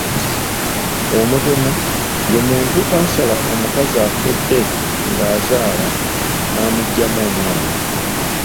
Omutemu ye muntu asala omukazi afudde ng’ azaala n’amuggyamu omwana.